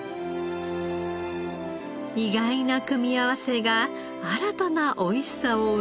意外な組み合わせが新たなおいしさを生み出すデザート。